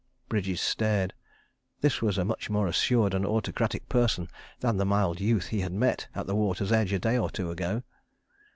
Bridges stared. This was a much more assured and autocratic person than the mild youth he had met at the water's edge a day or two ago.